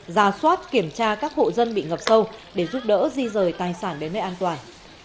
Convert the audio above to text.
ra soát kiểm tra các hộ dân bị ngập sâu để giúp đỡ di rời tài sản đến nơi an toàn